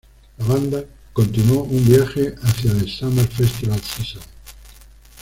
La banda continuo un viaje hacia the summer festival season.